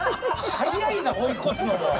早いな追い越すのも。